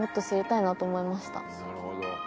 なるほど。